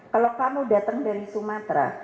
kalau kamu datang dari sumatera